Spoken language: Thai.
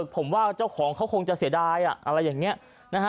ผมว่าเจ้าของเขาคงจะเสียดายอะไรอย่างนี้นะฮะ